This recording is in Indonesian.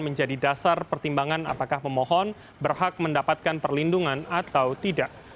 menjadi dasar pertimbangan apakah pemohon berhak mendapatkan perlindungan atau tidak